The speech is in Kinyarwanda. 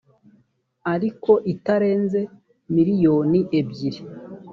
ariko itarenze miliyoni ebyiri